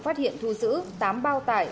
phát hiện thu giữ tám bao tải